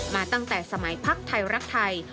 มาตั้งแต่สมัยพักไทยรักไทย